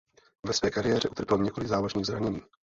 Ve své kariéře utrpěl několik závažných zranění.